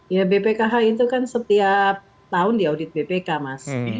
ya bpkh itu kan setiap tahun diaudit bpk mas